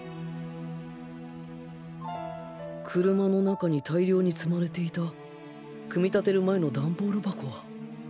車の中に大量に積まれていた組み立てる前のダンボール箱は